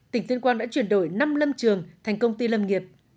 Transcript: tỉnh tuyên quang đã chuyển đổi năm lâm trường thành công ty lâm nghiệp